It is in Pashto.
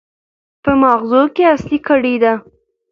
په ماغزو کې اصلي ګړۍ ده.